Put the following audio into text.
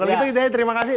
kalau gitu kita terima kasih